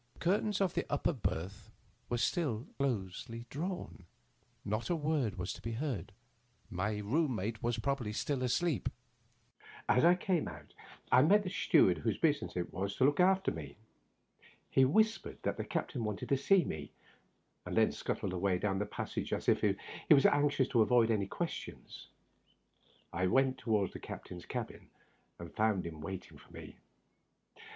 The curtains of the upper berth were still closely drawn. Not a word was to be heard. My room mate was probably still asleep. As I came out I met the steward whose business it was to look after me. He whispered that the captain wanted to see me, and then scuttled away down the pas sage as if very anxious to avoid any questions. I went toward the captain's cabin, and found him waiting for me.